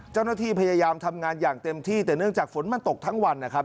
เจ้าหน้าที่พยายามทำงานอย่างเต็มที่แต่เนื่องจากฝนมันตกทั้งวันนะครับ